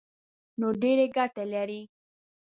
نو ډېرې ګټې لري.